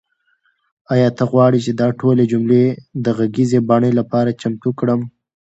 آیا ته غواړې چې دا ټولې جملې د غږیزې بڼې لپاره چمتو کړم؟